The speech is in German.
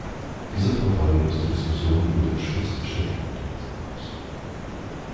Dieser Vorfall löste Diskussionen über den Schutz der Shetlandinseln aus.